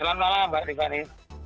selamat malam mbak rivani